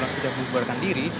karena sudah berubahkan diri